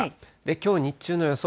きょう日中の予想